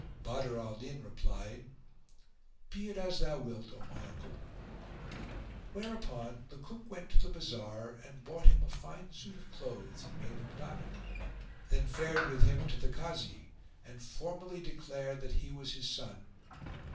Badr al Din replied, "Be it as thou wilt, O my uncle!" Whereupon the Cook went to the bazar and bought him a fine suit of clothes and made him don it; then fared with him to the Kazi, and formally declared that he was his son.